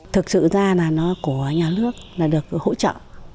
thực sự ra là nó của nhà nước là được hỗ trợ